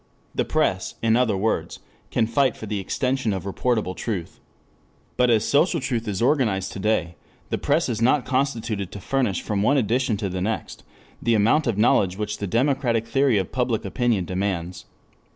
The press, in other words, can fight for the extension of reportable truth. But as social truth is organized to day, the press is not constituted to furnish from one edition to the next the amount of knowledge which the democratic theory of public opinion demands.